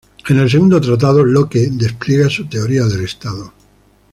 En el Segundo Tratado, Locke despliega su teoría del Estado.